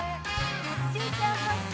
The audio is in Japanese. ちーちゃんこっち！